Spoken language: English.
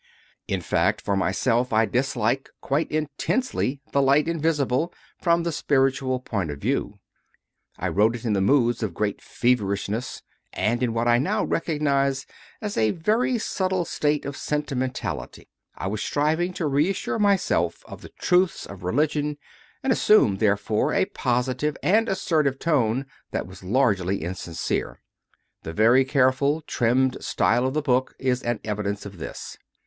In fact, for myself, I dislike, quite intensely, "The Light Invisible," from the spiritual point of view. I wrote it in moods of great feverishness and in what I now recognize as a very subtle state of sentimentality; I was striving to reassure myself of the truths of religion, and assumed, therefore, a positive and assertive tone that 82 CONFESSIONS OF A CONVERT was largely insincere; the very careful, trimmed style of the book is an evidence of this.